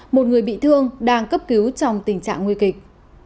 một người bị thương đang cấp cứu trong tình trạng nguy kịch